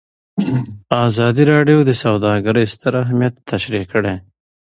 ازادي راډیو د سوداګري ستر اهميت تشریح کړی.